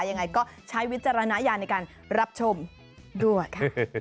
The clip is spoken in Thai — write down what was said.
ยังไงก็ใช้วิจารณญาณในการรับชมด้วยค่ะ